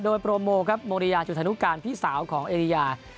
โดยโปรโมครับโมริยาจุธานุการพี่สาวของเอริยา